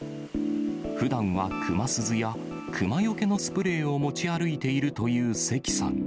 ふだんは熊鈴や熊よけのスプレーを持ち歩いているという関さん。